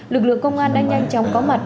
lực lượng công an đã nhanh chóng có mặt